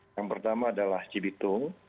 yang pertama adalah cibitung